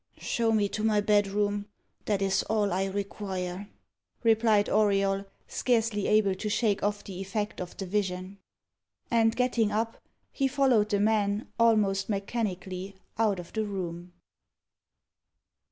"Show me to my bedroom that is all I require," replied Auriol, scarcely able to shake off the effect of the vision. And, getting up, he followed the man, almost mechanically, out of the room.